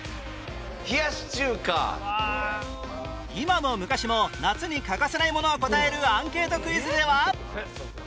今も昔も夏に欠かせないものを答えるアンケートクイズでは